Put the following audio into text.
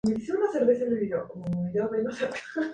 Construye su nido en el suelo.